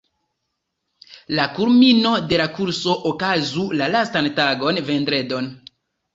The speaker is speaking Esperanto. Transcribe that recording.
La kulmino de la kurso okazu la lastan tagon, vendredon.